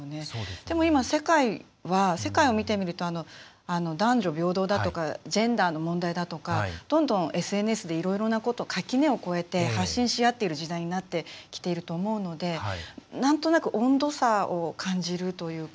でも、今、世界を見てみると男女平等だとかジェンダーの問題だとかどんどんＳＮＳでいろいろなことを垣根を越えて発信しあっている時代になってきていると思うのでなんとなく温度差を感じるというか。